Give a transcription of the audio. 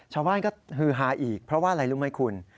ชาวบ้านก็ฮือฮาอีกเพราะว่าอะไรรู้ไหมคุณ